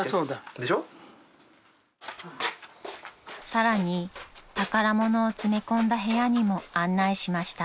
［さらに宝物を詰め込んだ部屋にも案内しました］